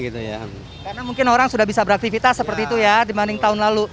karena mungkin orang sudah bisa beraktifitas seperti itu ya dibanding tahun lalu